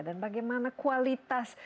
dan bagaimana kualitas